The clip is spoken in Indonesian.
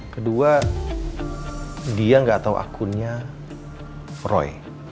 kedua dia nggak tahu akunnya froy